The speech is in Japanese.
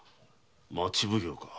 町奉行か。